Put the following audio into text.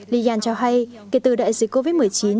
liyan cho hay kể từ đại dịch covid một mươi chín